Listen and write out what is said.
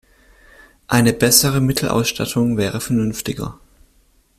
Eine bessere Mittelausstattung wäre vernünftiger.